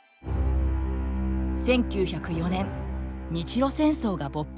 １９０４年日露戦争が勃発。